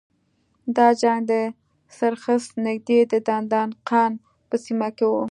دا جنګ د سرخس نږدې د دندان قان په سیمه کې و.